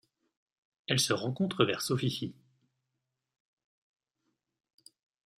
Elle se rencontre vers Sofifi.